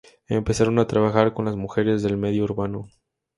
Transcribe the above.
Empezaron a trabajar con las mujeres del medio urbano.